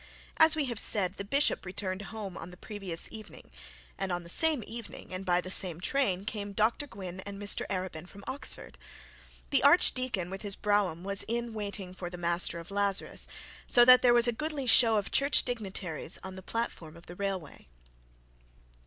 As we have said, the bishop returned home on the previous evening, and on the same evening, and by the same train, came Dr Gwynne and Mr Arabin from Oxford. The archdeacon with his brougham was in waiting for the Master of Lazarus, so that there was a goodly show of church dignitaries on the platform of the railway.